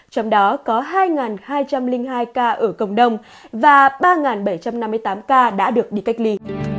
trong đó có hai hai trăm linh hai ca ở cộng đồng và ba bảy trăm năm mươi tám ca đã được đi cách ly